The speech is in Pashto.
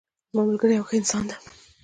زما ملګری یو ښه انسان ده